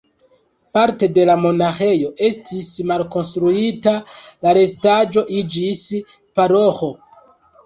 Parto de la monaĥejo estis malkonstruita, la restaĵo iĝis paroĥo.